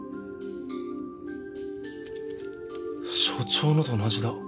署長のと同じだ。